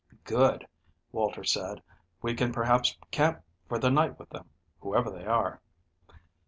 "Good," Walter said. "We can perhaps camp for the night with them, whoever they are."